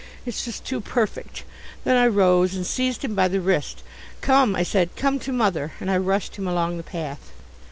"It's just too perfect." Then I rose and seized him by the wrist. "Come," I said, "come to Mother," and I rushed him along the path.